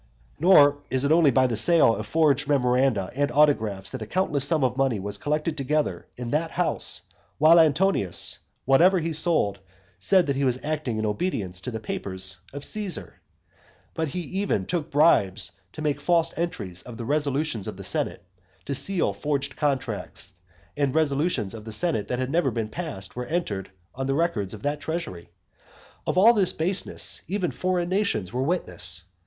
Nor is it only by the sale of forged memoranda and autographs that a countless sum of money was collected together in that house, while Antonius, whatever he sold, said that he was acting in obedience to the papers of Caesar; but he even took bribes to make false entries of the resolutions of the senate; to seal forged contracts; and resolutions of the senate that had never been passed were entered on the records of that treasury. Of all this baseness even foreign nations were witnesses.